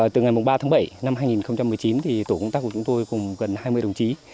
từ ngày ba tháng bảy năm hai nghìn một mươi chín tổ công tác của chúng tôi cùng gần hai mươi đồng chí